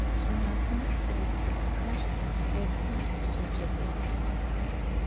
Ç'ımafem ç'elets'ık'uxer vosım şecegux.